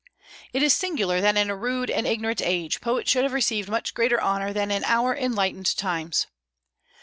It is singular that in a rude and ignorant age poets should have received much greater honor than in our enlightened times.